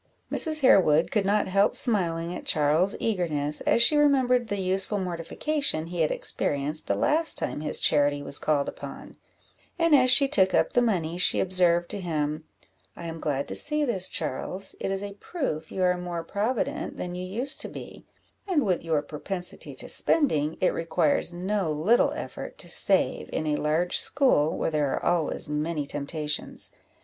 Mrs. Harewood could not help smiling at Charles's eagerness, as she remembered the useful mortification he had experienced the last time his charity was called upon; and as she took up the money, she observed to him "I am glad to see this, Charles; it is a proof you are more provident than you used to be; and, with your propensity to spending, it requires no little effort to save, in a large school, where there are always many temptations.